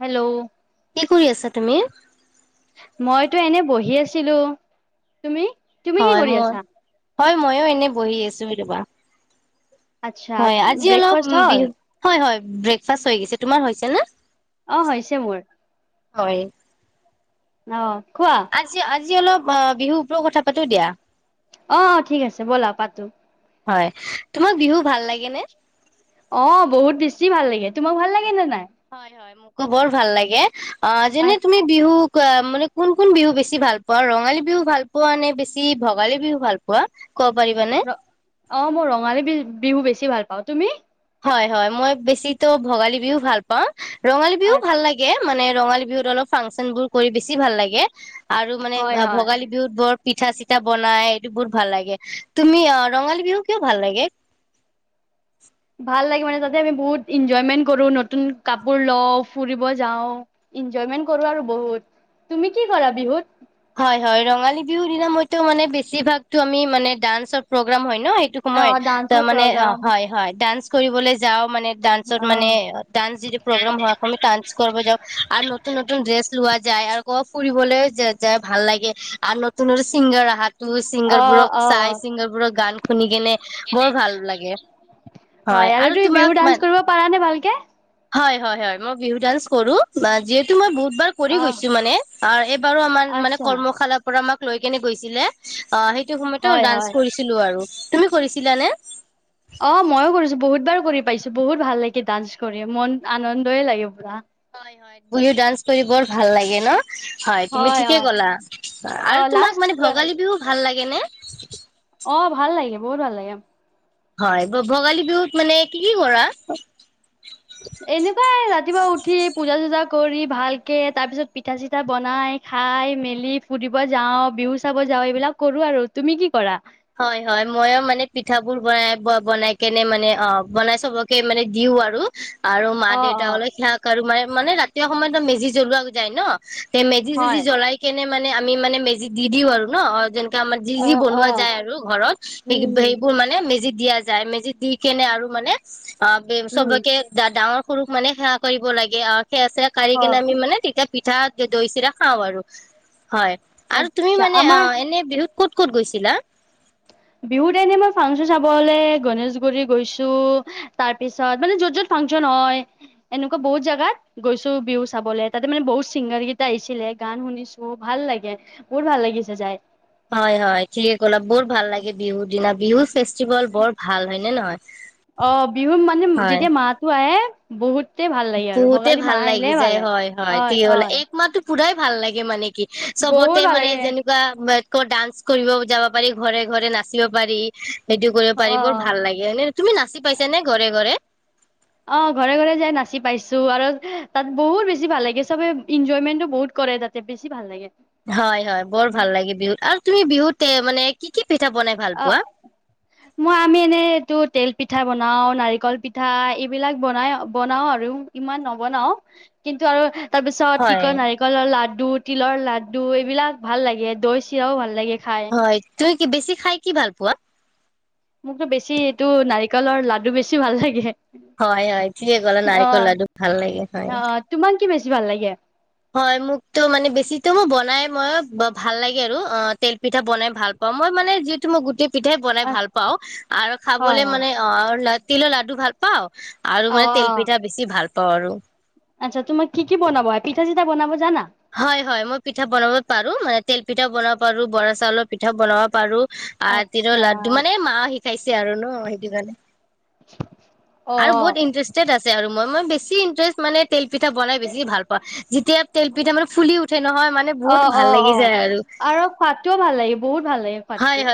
Hello কি কৰি আছা তুমি মইতো এনে বহি আছিলো তুমি তুমি কি হয় কৰি মই আছা হয় ময়ো এনেই বহি আছো এই ৰবা আচ্ছা হয় আজি অলপ ব্ৰেকফাষ্ট হ'ল বিহু হয় হয় ব্ৰেকফাষ্ট হৈ গৈছে তোমাৰ হৈছে নে অ হৈছে মোৰ হয় অ কোৱা আছি অল অ বিহু ওপৰত কথা পাতটো দিয়া অ অ ঠিক আছে ব'লা পাতো হয় তোমাক বিহু ভাল লাগে নে অ বহুত বেছি ভাল লাগে তোমাক ভাল লাগে নে নাই হয় হয় মোক বৰ ভাল লাগে অ যেনে তুমি বিহুক মানে কোন কোন বিহু বেছি ভাল পোৱা ৰঙালী বিহু ভাল পোৱা নে বেছি ভোগালী বিহু ভাল পোৱা ক'ব পাৰিবানে? ৰ অ মোৰ ৰঙালী বি বিহু বেছি ভাল পাওঁ তুমি হয় হয় মই বেছিতো ভোগালী বিহু ভাল পাওঁ অ ৰঙালী বিহু ভাল লাগে মানে ৰঙালী বিহুত অলপ ফাংচন বোৰ কৰি বেছি ভাল লাগে আৰু মানে হয় হয় ভোগালী বিহুত বৰ পিঠা চিঠা বনাই এইটো বহু ভাল লাগে তুমি আহ ৰঙালী বিহু কিয় ভাল লাগে ভাল লাগ মানে তাতে আমি বহুত এনজয়মেন্ কৰো নতুন কাপোৰ ল ফুৰিব যাওঁ এনজয়মেন্ট কৰো আৰু বহুত তুমি কি কৰা বিহুত হয় হয় বিহুৰ দিনা মইটো মানে বেছিভাগ টো মানে ডান্স প্ৰগেম হয়। ন সেই সময় অ ডান্সৰ মানে অ প্ৰগ্ৰাম হয় হয় ডান্স। কৰিবলৈ যাওঁ মানে ডান্সতষ অ মানে ডান্সৰ প্ৰগেম কৰিব যাওঁ আৰু নতুন নতুন ড্ৰে ছ যায় আৰু ক'বাত ফুৰিবলৈ য যাই ভাল লাগে আৰু নতুন নতুন ছিংগাৰ আহাক। নতুন অ ছিংগাৰবোৰক অ চাই ছিংগাৰবোৰক গান শুনি কেনে বৰ ভাল লাগে হয় আৰু তুমি বিহু তোমাক ডান্স মান কৰিব পাৰানে ভালকে? হয় হয় হয় মই বিহু ডান্স কৰো যিহেতু মই বহুত এবাৰ কৰি অহ। গৈছো মানে এইবাৰো আমাৰ আচ্ছা কৰ্মশালাত পৰা আমাক লৈ কেনে গৈছিলে অ সেইটো সময়তে হয় হয়। ডান্স কৰিছিলো আৰু তুমি কৰিছিলানে। অ মইয়ো কৰিছো বহুত বাৰ কৰি পাইছো বহুত ভাল লাগে ডান্স কৰি মন আনন্দয়ে লাগে পুৰা। হয় হয় বিহু ডান্স কৰি বৰ ভাল লাগে ন হয় তুমি ঠিকে কলা অ আৰু লাষ্ট তোমাক মানে ভোগালী বিহু ভাল লাগে। কেনে অ ভাল লাগে বহুত ভাল লাগে। হয় ভোগালী বিহুত মানে কি কি কৰা। এনেকুৱাই ৰা ৰাতিপুৱা উঠি পূজা চূজা কৰি ভালকে তাৰ পিছত পিঠা চিঠা বনাই খাই মেলি ফুৰিব যাওঁ বিহু চাব যাওঁ এইবিলাক কৰো আৰু তুমি কি কৰা। হয় হয় ময়ো মানে পিঠাবোৰ বনাই বনাই কেনে মানে অ বনাই চবকে মানে দিও আৰু। আৰু মা অ দেউতাক অ অলপ সেৱা কৰো মই। মানে ৰাতিয়ৰ সময়ত মেজি জ্বলোৱা যায় ন তে মেজি চেজি হয়। জ্বলাই কে মানে মানে আমি মানে মেজিত দিওঁ আৰু ন আমাৰ যি অ যি অ বনোৱা। য়ায় আৰু ঘৰত উম উম সেইবোৰ মানে মেজি দিয়া যায় মেজিত দি কেনে আৰু মানে অ উম চবকে ডাঙৰ সৰুক মানে সেৱা কৰিব লাগে আৰু। সেই আছে সেয়া চেয়া কৰি হয় কিনে আমি মানে তেতিয়া পিঠা দৈ চিৰা খাওঁ আৰু হয়। আৰু তুমি আচ্ছা মানে অ আমাৰ এনে বিহুত ক'ত ক'ত গৈছিলা বিহুত এনে মই ফাংচন চাবলৈ গনেশগুৰি গৈছো তাৰ পিছত মানে য'ত য'ত ফাংচন হয় এনেকুৱা বহুত জোগাত গৈছো বিহু চাবলে তাতে মানে বহুত চিংগাৰ কেইটা আহিছিলে গান শুনিছো ভাল লাগে বহুত ভাল লাগিছে যাই হয় হয় ঠিকে ক'লা বহু ভাল লাগে বিহুৰ দিনা বিহুৰ ফে য়ি বল ভাল হয় নে নহয় অ বিহু মানে হয় যেতিয়া মাহটো আহে। বহুত বহুতে ভাল লাগি যায় হয় হয় হল এক মাহতো পুৰাই ভাল লাগে মানে কি? বহুত চবতে ভাল মানে লাগে যেনেকুৱা ডান্স কৰিব যাব পাৰি ঘৰে ঘৰে নাচিব পাৰি। সেইটো কৰিব অ পাৰিব ব ভাল লাগে হয় নে? তুমি নাচি পাইছা নে ঘৰে ঘৰে অ ঘৰে ঘৰে যাই নাচি পাইছো আৰু তাত বহুত বেছি ভাল লাগে। চবে ইনজয়মেণ্টো বহুত কৰে তাতে বেছি ভাল লাগে। হয় হয় বৰ ভাল লাগে বিহুত আৰু তুমি বিহুত তে মানে কি কি পিঠা বনাই ভাল অ পোৱা? মই আমি এনেই এইটো তেল পিঠা বনাও নাৰিকল পিঠা এইবিলাক বনাই বনাওঁ আৰু ইমান নবনাও কিন্তু আৰু তাৰপিছত কি হয় কয় নাৰিকলৰ লাডু লাডু তিলৰ লাডু এইবিলাক ভাল লাগে দৈ চিৰাও ভাল লাগে। খাই হয় ত কি বেছি খাই কি ভাল পোৱা। মোকতো বেছি এইটো নাৰিকলৰ লাডু বেছি ভাল লাগে। হয় হয় ঠিকে কলা নাৰিকল লাডু ভাল লাগে হয়। তো বেছি ভাল লাগে। হয় মোকতো মানে বেছিটো মোৰ বনাই মই ভাল লাগে আৰু অ তেল পিঠা বনাই ভাল পাওঁ মই মানে যিহেতু মই গোটেই পিঠাই বনাই আ- ভাল পাওঁ আৰু হয় খাবলে হয় মানে অ তিলৰ লাডু ভাল পাও আৰু অ মানে অ তেল পিঠা বেছি ভাল ত আৰু আচ্ছা তোমাক কি কি বনাব পিঠা চিঠা বনাব জানা। হয় হয় মই পিঠা বনাব পাৰো মানে তেল পিঠাও বনাব পাৰো বৰা চাউলৰ পিঠা বনাব পাৰো আ তিৰ আচ্ছা লাড্ডু মানে মা শিকা ইছে আৰু ন সেইটো কাৰণে অ অ আৰু বহুত ইন্টাৰেষ্টেড আছে আৰু মই বেছি ইনষ্টেট মানে তেল পিঠা পিঠা বনাই বেছি ভাল পাও যেতিয়া তেল দুটা মান ফুলি উঠে নহয় মানে অ বহুত অ ভাল লাগি অ যায় আৰু সুৱাদটোও ভাল লাগে বহুত ভাল লাগে সুৱাদটো।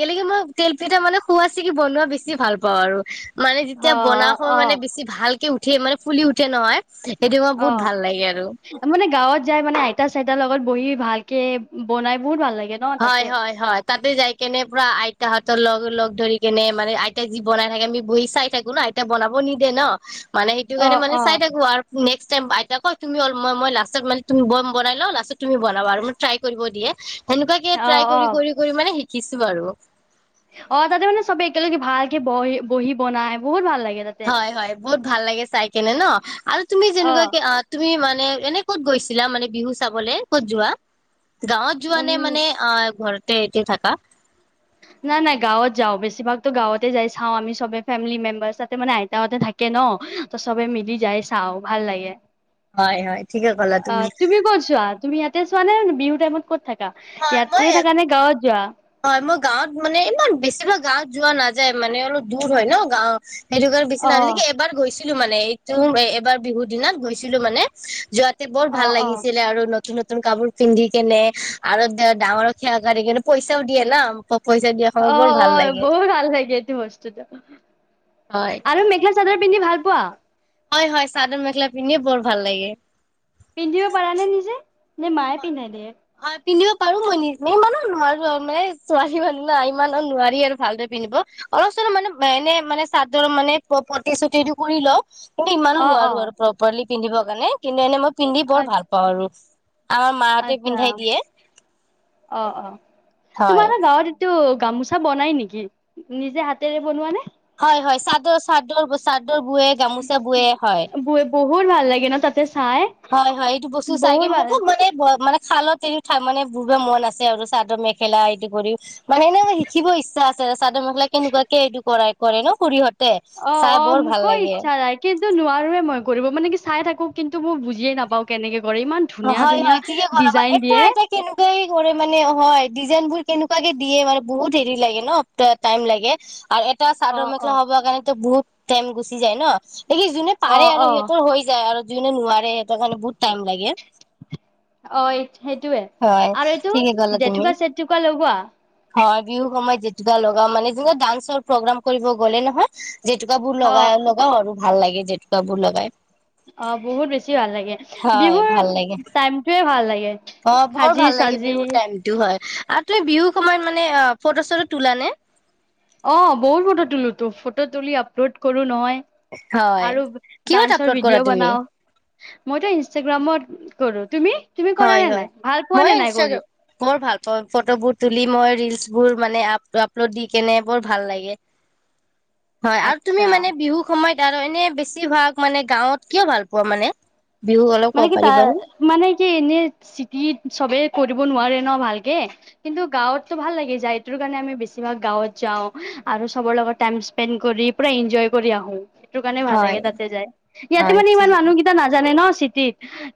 কেলেই কি মই তেলপিঠা মানে খুৱচি কি বনোৱা বেছি ভাল পাওঁ আৰু মানে অ যেতিয়া বনা হয় অ মানে বেছি ভালকে উঠ। উঠে মানে ফুলি উঠে নহয়। সেইটো মই অ বহুত ভাল লাগে আৰু মানে গাঁৱত যাই মানে আইতা চইতাৰ লগত বহি ভালকে বনাই বহুত ভাল লাগে। ন হয় তাতে হয় হয় তাতে যাই কেনে পুৰা আই। তাহাঁতৰ লগ লগ ধৰি কেনে মানে আইতা যি বনাই থাকে আমি বহি চাই থাকো ন আইতা বনাব নিদে ন মানে সেইটো অ কাৰণে মানে অ চাই থাকোঁ আৰু কোনে- আইতাই কয় তুমি মই লম বনাই লম লাষ্টত তুমি বনাবা আৰু মনে ট্ৰাই কৰিব দিয়ে। সেনেকুৱাকে অ ট্ৰাই অ কৰি কৰি কৰি মানে। কিছু বাৰু। অ তাতে মানে চবে একেলগে ভালকে বহি বহি বনাই বহুত ভাল লাগে। তাতে হয় হয় বহুত ভাল লাগে চাই কেনে ন আৰু তুমি যেনেকুৱা কি অ তুমি মানে? মানে এনে ক'ত গৈছিলা মানে বিহু চাবলে ক'ত যোৱা? গাঁৱত যোৱা উম নে মান অ ঘৰত। তে এতিয়া থাকা। নাই নাই গাঁৱত যাওঁ বেছিভাগতো গাঁৱতে যাই চাওঁ আমি সবে ফেমিলি মেম্বাৰ তাতে মানে আইতাহতে থাকে ন ত সবে মিলি যাই চাওঁ ভাল লাগে। হয় হয় ঠিকে ক'লা অ তুমি ক'ত চোৱা তুমি ইয়াতে চোৱা নে বিহুত। তই মোক ক'ত থাকে। হয় ইয়াতে মই থকা নে গাঁৱত যোৱা। হয় মই গাঁৱত মানে ইমান বেছি ভাগ গাঁৱত যোৱা নাযায়। মানে অলপ দূৰ হয় ন গাঁৱত। সেইটো অ কাৰণে নে এবাৰ গৈছোঁ। ছিলো মানে এইটো এবাৰ বিহু দিনত গৈছিলোঁ মানে যোৱা। বৰ অ ভাল অ লাগিছিলে আৰু নতুন নতুন- নতুন কাপোৰ পিন্ধি কেনে আৰু ডাঙৰ খেৱা় কেনে পইচা। তেওঁ দিয়ে না। প- দিয়া সময়ত অ বৰ অ ভাল লাগে বহুত ভাল লাগে এইটো বস্তুটো। হয় আৰু মেখেল চাদৰ। পিন্ধি ভাল পোৱা। হয় হয় চাদৰ মেখেলা পিন্ধিয়ে বৰ ভাল লাগে। পিন্ধিব পাৰা নে নিজে? নে মায়ে হয় পিন্ধা ই দিয়ে। হয় পিন্ধিব পাৰোঁ মই নি ইমানো নোৱাৰোঁ মানে ছোৱালী মানুহ না ইমানো নোৱাৰি আৰু ভালদৰে পিন্ধিব অলপ চলপ মানে এনে মানে চাদৰ মানে পটি চটিটো কৰি লওঁ। কিন্তু ইমানো অ অ নোৱাৰোঁ আৰু প্ৰপাৰলি। পিন্ধিব কাৰণে কিন্তু এনে মই পিন্ধি আ বৰ ভাল পাওঁ আৰু আমাৰ মাহঁতে আচ্ছা পিন্ধাই দিয়ে অ অ হয়। তোমাৰ গাঁৱত এইটো গামোচা বনাই নেকি নিজে হাতেৰে বনোৱা নে হয় হয় চাদৰ চাদৰ চাদ বে গামোচা বে হয় ব বহুত ভাল লাগে ন তাতে চাই হয় হয় এইটো বস্তু চাইে বহুত মোৰ ভাল খুব মানে মানে খালত এৰি মানে বহুে মন আছে আৰু চাদৰ মেখেলা ইদি কৰি মানেই শিকিব ইচ্ছাছে চাদৰ মেখেলা কেনেুৱাক কি এইটো কৰা কৰে ন খুৰিীহত অ অ মোকো ইচ্ছা নাই কিন্তু নোৱাৰোৱে মই কৰিব মানে কি চাই থাকো কিন্তু মই বুজিয়ে নাপাওঁ কেনেকে কৰে ইমান ধুনীয়া হয় ধুনীয়া হয় ঠিকে কৰা মানে ডিজাইন এটা দিয়ে এটা কেনেকুৱাই কৰে মানে হয় ডিজাইনবোৰ কেনেকুৱে দিয়ে মান বহুত হেৰি লাগে ন স টাইম লাগে আৰু এটা অ চাদৰ মেখা অ হব কাৰণে বুত তেম ঘুচি যায় ন সকি যোনে অ পাৰে আৰু অ সিহঁতৰ হৈ যায় আৰু যনে নোৱাৰে সেইটো কাৰণে বহুত টাইম লাগে অ এই সেইটোৱে হয় আৰু এইটো ঠিকে ক'লা তুমি জেেতুকা চেতুকা লগোৱা হয় বিহু সময়ত জেতুকাা লগাও মানে যে ডান্সৰ প্ৰগ্ৰাম কৰিব গ'লে নহয় জেতুকা বোৰ অ লগা লগা হ ভাল লাগে জেতুকাবোৰ লগাই অ বহুত বেছি ভাল লাগে হয় বিহুত ভাল লাগে টাইম য়ে ভাল লে অ বৰ ভাল লাগে বিহুৰ টাইমতটো হয় আৰু তই বিহু সময়ত মানে অ ফটো চটো তোল নে অ বৌ মত তলো তো ফটো তুলি আপলোড কৰো নহয় হয় আৰু কিহত ডান্সৰ আপলোড কৰা ভিডিঅ' তুমি বনাও মইতো ইনষ্টাগ্ৰামত কৰো তুমি তুমি কৰা হয় নে হয় নাই ভাল পোৱা মই নে নাই কৰি ই মোৰ ভাল ফটোবোৰ তুলি মই ৰৰিলচ বোৰ মানে আপ আপলোড দি কেনে বৰ ভাল লাগে হয় আৰু তুমি আচ্ছা মানে বিহু সময়ত আৰু এনে বেছিভাগ মানে গাঁৱত কিয় ভাল পোৱা মানে বিহু অলপ মানে ক'ব কি ত পাৰিবানে মানে কি নি চিটিত সবে কৰিব নোৱাৰে ন ভালকে কিন্তু গাঁৱতটো ভাল লাগে যায়টোৰ কাৰণে আমি বেছিভাগ গাঁৱত যাওঁ। আৰু সবৰ লগত টাইম স্পেণ্ড কৰি পুৰা এনজয় কৰি আহো। সেইটো কাৰণে ভাল লাগে হয় তাতে যায়, ইয়াতে হয় মানে ইমান ঠিক মানুহকেইটা নাজানে ন সিতি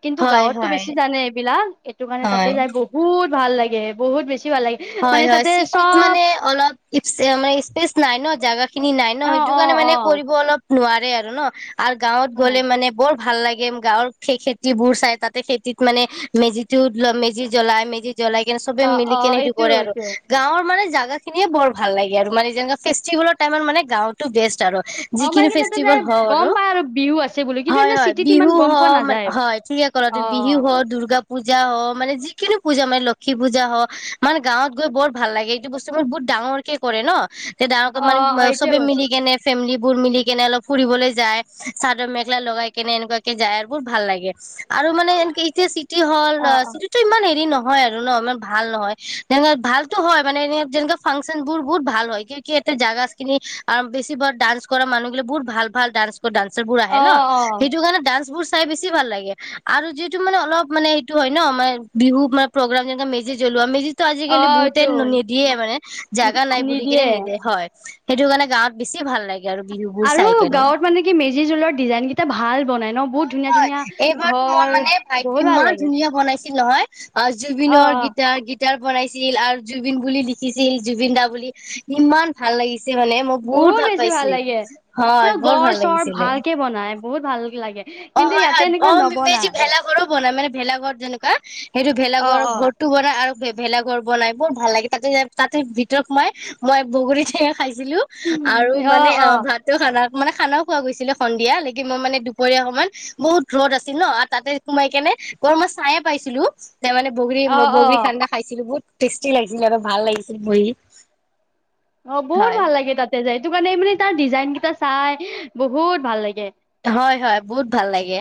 কিন্তু হয় গাঁৱতটো হয় বেছি জানে এইবিলাক এইটো কাৰণে তাতে হয় যাই বহুত ভাল লাগে বহুত বেছি, ভাল লাগে হয় মানে হয় তাতে চিটিত চব মানে অলপানে স্পেচ নাই ন, জগা [unintelligible] খিনি নাই ন অ সেইটো অ কাৰণে মানে অ কৰিব অলপা নোৱাৰে আৰু ন, আৰু গাঁৱত অ গ'লে মানে বৰ ভাল লাগে গাঁৱৰ সেই খেতিবোৰ চাই তাতে খেতিত মানে মেজিতটো মেজি জ্বলাই মেজিত- জ্বলাই কিনে চবে অ অ মিলিকনেই হেইতো এইটো কৰে আৰু এইটোৱে গাঁৱৰ, মানে জেগািনিয়ে বৰ ভাল লাগে আৰু মানে যেনে ফেষ্টিভেলৰ টাইমত মানে গাওঁ বেষ্ট আৰু, অ যিখি মানে কি তাতে যাই ফেছটিবেল হৌ গম আৰু পাই বিহু আছে বুলি কিন্তু এনে চিটিত ইমান বিহু গম পোৱা হয় নাযায় হয় অ থিকে বিহু হয়। পূজা হয় মানে যিকিনি পূজা মানে লক্ষী পূজা হয় মানে গাঁৱত গৈ বৰ ভাল লাগে এইটো বস্তু মোৰ বহুত ডাঙৰ কে কৰে ন। তে ডাঙৰ অ মানে অ এইটোৱে চবে মিলি বস্তু কেনে ফেমিলি, বোৰ মিলি কেনে অলপ ফুৰিবলৈ যায়, চাদৰ মেখেলা লগাই কেনে এনেকুৱাকে যায়, আৰু বোৰ ভাল লাগে। আৰু মানে এনকে এতিয়া চিটি হল অ অ চিটি টো ইমান হেৰি নহয়। নহয় আৰু ন ইমান ভাল নহয়। তেনে ভালতো হয় মানে এ যেনে ফাংচন বোৰ বহুত ভাল হয় কি কি এতে জাগা খিনি বেছি ভাগ ডান্স কৰা মানুহ গিলে বহুত ভাল ভাল ডান্স, ড্সৰ বোৰ আহে অ ন অ সেইটো কাৰণে ডান্স বোৰ চাই বেছি ভাল লাগে আৰু যিহেতু মান অলপ মানে এইটো হয় ন আমাৰ বিহু মানে প্ৰগ্ৰ যে মেজ জলোৱা মে তো অ আজিকালি বহুতে এইটো নিদিয়ে মানে নি- জোগা নাই বুলি কেনে নিদিয়ে নিদেয়ে হয়। সেইটো কাৰণে গাঁওৱত বেছি ভাল লাগে। আৰু বিহুবোৰ আৰু চাই কেনে গাঁৱত মানে কি মেজি জোলৰ ডিজাইন কেইটা ভাল বনাই ন বহুত হয় ধুনীয়া হয় ধুনীয়া এইবাৰতো মই ঘৰ মানে ভাইটি বহুত ভাল ইমান লাগে। ধুনীয়া বনাইছিল নহয়, অ জুবিনৰ গীতাৰ অ গীত, গিতাৰ বনাইছিল আৰু জুবিন বুলি লিখিছিল জুবিন দা বুলি ইমান ভাল লাগিছিল। সি মানে মই বহুত ভাল পাইছিল পুৰা হয় বৰ গড় ভাল চৰ লাগিছিলে। ভালকে বনাই বহুত ভাল লাগে। অ কিন্তু হয় ইয়াতে হয় এনেকুৱা অেজি নবনাই ভেলাঘৰো বনাই মানে, ভেলাঘৰ যেনেকুৱা সেইটো অ ভেলগৰ অ ঘৰটো বন আৰু ভেলাঘৰ বনাই বৰ ভাল লাগে তাতে তাতে ভিতৰত মই মই বগৰী থ খাইছিলো আৰু মানে অ ভাতো খানা মানে খানাও খোৱা গৈছিলে সন্ধিয়া লাগে মই মানে দুপৰীয়া মান বহুত ৰ'দ আছিল ন তাতে সোমাই কেনে বৰ মই চাইে পাইছিলো ত মানে বগৰী অ অ বগৰী খান্দা খাইছিলো বহুত টেষ্টি লাগিছিল আৰু ভাল লাগিছিল বহি অ বহুত হয় ভাল লাগে তাতে যাই সেইটো কাৰণে মানে তাৰ ডিজাইন কেইটা চাই বহুত ভাল লাগে হয় হয় বহুত ভাল লাগে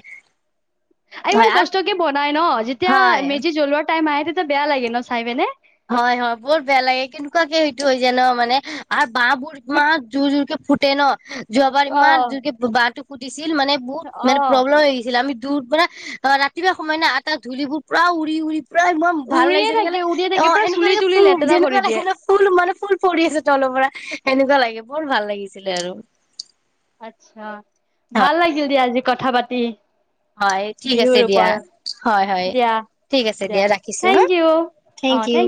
ইমান হয় আৰু কষ্টকে বনাই ন যেতিয়া হয় মেজি জ্বলোৱা টাইম আহে তেটো বেয়া লাগে ন চাই পেনে হয় হয় বহুত বেয়া লাগে কেনেকুৱাকে সেইটো হৈ য ন মানে ব বুুৰ ম বাট জুৰ জৰ ফুটে ন যোৱাবাৰ অ ইমান দু বাৰ ছিল মানে বহুত অ মানে প্ৰব্লেম হৈ গৈছিল আমি দূ পৰাৰা ৰাতিপুৱা সোাই নাই আ তটা ধূলিবোৰ পুৰা উৰি উৰি পুৰা ইমান ভাল উৰিয়ে লাগিছে থাকে ননেকলে উৰিয়ে থাকে পুৰা চুলি এনেকুৱা লাগে তুলি ফ লেতেৰা কৰি যেনেকুৱা দিয়ে লাগে ফুল মানে ফুল পৰি আছে তলৰ পৰা সেনেকুৱা লাগে বৰ ভাল লাগিছিলে আৰু আছা ভাল হয় লাগিল দিয়া আজি কথা পাতি হয় ঠিক আছে বিহুৰ দিয়া ওপৰত হয় হয় দিয়া ঠিক আছে দিয়া ৰাখিছো হা থেংক ইউ থেংক ইউ